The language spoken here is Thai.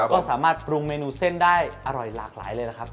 ก็สามารถปรุงเมนูเส้นได้อร่อยหลากหลายเลยล่ะครับ